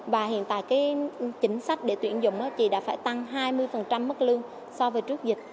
và hiện tại chính sách để tuyển dụng chỉ đã phải tăng hai mươi phần thôi